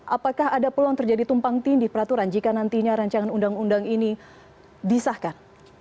apakah ada peluang terjadi tumpang tindih peraturan jika nantinya rancangan undang undang ini disahkan